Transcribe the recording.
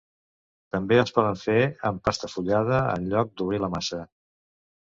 També es poden fer en pasta fullada en lloc d'obrir la massa.